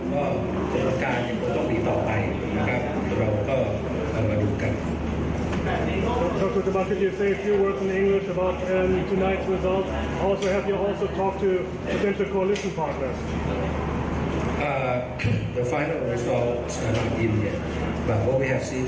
พอทุกคนที่การอย่างต้องมีต่อไปนะครับเราก็เอามาดูกัน